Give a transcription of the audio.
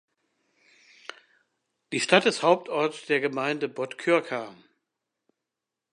Die Stadt ist Hauptort der Gemeinde Botkyrka.